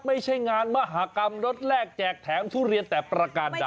ไม่ใช่งานมหากรรมรถแรกแจกแถมทุเรียนแต่ประการใด